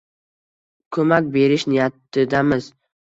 ko‘mak berish niyatidamiz.